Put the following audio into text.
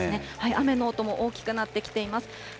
雨の音も大きくなってきています。